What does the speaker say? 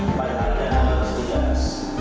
pada hari yang akan bersejarah